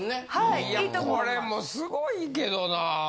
いやこれもすごいけどな。